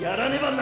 な